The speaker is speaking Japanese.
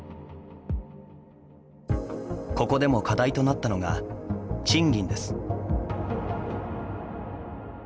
ここでも課題となったのが賃金です。